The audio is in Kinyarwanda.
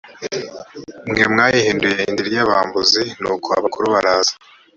mwe mwayihinduye indiri y abambuzi nuko abakuru baraza